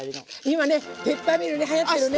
今ねペッパーミルねはやってるね。